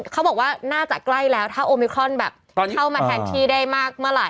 เขาบอกว่าน่าจะใกล้แล้วถ้าโอมิครอนแบบเข้ามาแทนที่ได้มากเมื่อไหร